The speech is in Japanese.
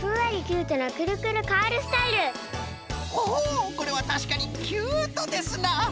おおこれはたしかにキュートですな。